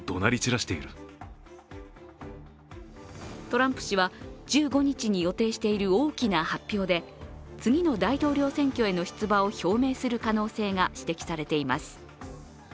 トランプ氏は１５日に予定している大きな発表で、次の大統領選挙への出馬を表明する可能性が指摘されています。